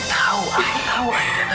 aku tahu aiden tahu aiden